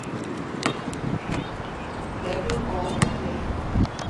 Beggar all description